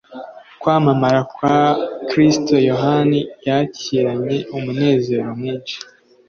Kwamamara kwa Kristo Yohana yakiranye umunezero mwinshi,